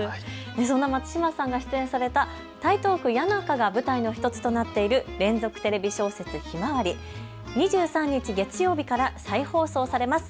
そんな松嶋さんが出演された台東区谷中が舞台の１つとなっている連続テレビ小説、ひまわり２３日月曜日から再放送されます。